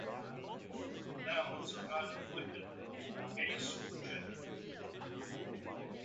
Nouns are not inflected for case or gender.